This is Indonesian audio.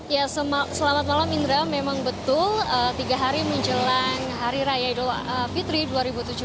ya selamat malam indra memang betul tiga hari menjelang hari raya idul fitri dua ribu tujuh belas